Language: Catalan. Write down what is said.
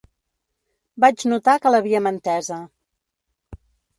Vaig notar que l’havíem entesa.